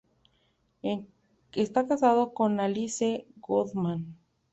Está casado con Alice Goodman.